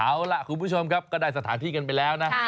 เอาล่ะคุณผู้ชมครับก็ได้สถานที่กันไปแล้วนะ